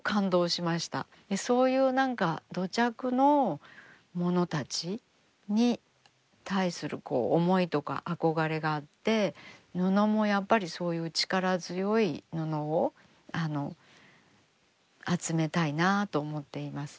そういう何か土着のものたちに対する思いとか憧れがあって布もやっぱりそういう力強い布を集めたいなと思っています。